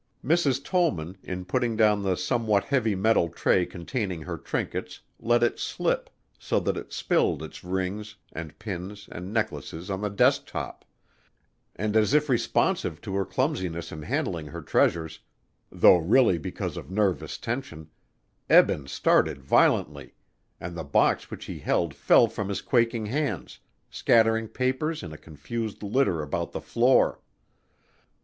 Mrs. Tollman, in putting down the somewhat heavy metal tray containing her trinkets, let it slip, so that it spilled its rings, and pins and necklaces on the desk top and as if responsive to her clumsiness in handling her treasures, though really because of nervous tension, Eben started violently, and the box which he held fell from his quaking hands, scattering papers in a confused litter about the floor.